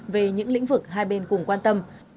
về những lĩnh vực hai bên cùng quan tâm